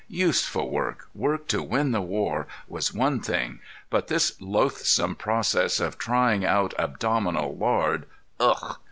Useful work, work to win the war, was one thing, but this loathsome process of trying out abdominal lard—ugh!